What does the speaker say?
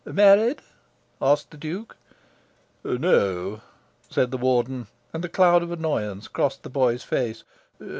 "Married?" asked the Duke. "No," said the Warden; and a cloud of annoyance crossed the boy's face.